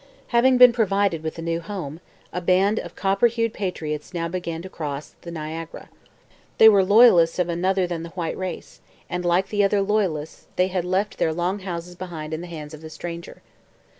Having been provided with a new home, the band of copper hued patriots now began to cross the Niagara. They were loyalists of another than the white race, and, like the other Loyalists, they had left their Long Houses behind in the hands of the stranger.